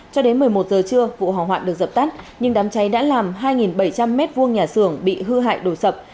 cho đến một mươi một giờ trưa vụ hỏa hoạn được dập tắt nhưng đám cháy đã làm hai bảy trăm linh m hai nhà xưởng bị hư hại đổ sập